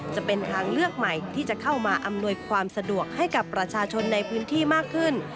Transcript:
จะเป็นทางเลือกใหม่ที่จะเข้ามาอำนวยความสะดวกให้กับประชาชนในพื้นที่มากขึ้น